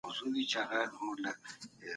هر چا زنده ګي ورانوي